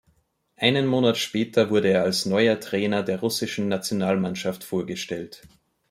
Einen Monat später wurde er als neuer Trainer der russischen Nationalmannschaft vorgestellt.